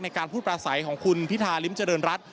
การพูดประสัยของคุณพิธาริมเจริญรัฐ